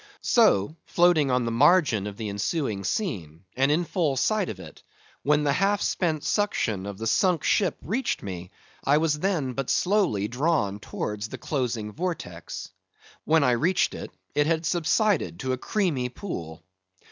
So, floating on the margin of the ensuing scene, and in full sight of it, when the halfspent suction of the sunk ship reached me, I was then, but slowly, drawn towards the closing vortex. When I reached it, it had subsided to a creamy pool.